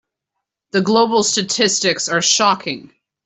The global statistics are shocking.